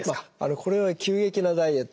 これは急激なダイエットですね